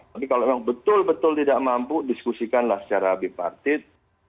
tapi kalau memang betul betul tidak mampu diskusikanlah secara bipartit